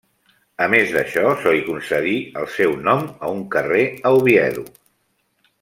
A més d'això, se li concedí el seu nom a un carrer a Oviedo.